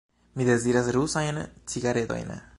Mi deziras rusajn cigaredojn.